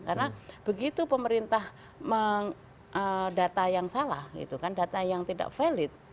karena begitu pemerintah data yang salah gitu kan data yang tidak valid